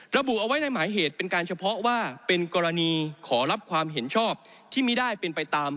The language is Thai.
ระบุเอาไว้ในหมายเหตุเป็นการเฉพาะว่าเป็นกรณีขอรับความเห็นชอบที่ไม่ได้เป็นไปตาม